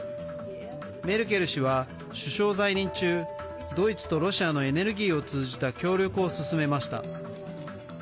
メルケル氏は首相在任中ドイツとロシアのエネルギーを通じた協力を進めました。